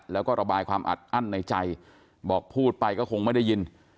แล้วก็ระบายความอัดอั้นในใจบอกพูดไปก็คงไม่ได้ยิน